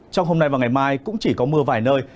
trong hôm nay và ngày mai cũng chỉ có mưa vài nơi